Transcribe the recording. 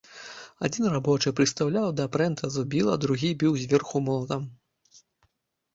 Адзін рабочы прыстаўляў да прэнта зубіла, другі біў зверху молатам.